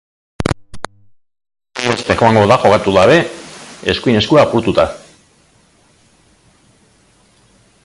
Sei aste egongo da jokatu dabe, eskuin eskua apurtuta.